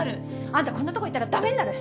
あんたこんなとこいたらダメになる。